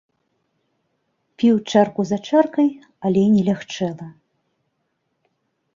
Піў чарку за чаркай, але не лягчэла.